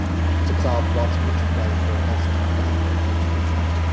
The club wants me to play for next to nothing.